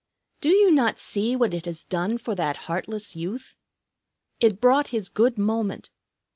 _ Do you not see what it has done for that heartless youth? It brought his good moment.